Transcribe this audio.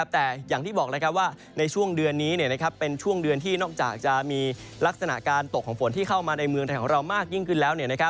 แต่อย่างที่บอกว่าในช่วงเดือนนี้เป็นช่วงเดือนที่นอกจากจะมีลักษณะการตกของฝนที่เข้ามาในเมืองไทยของเรามากยิ่งขึ้นแล้ว